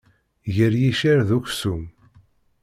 Gar yiccer d uksum.